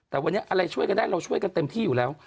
แต่วันนี้อะไรช่วยกันได้เราช่วยกันเต็มที่อยู่แล้ว